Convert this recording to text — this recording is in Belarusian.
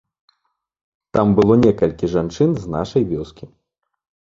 Там было некалькі жанчын з нашай вёскі.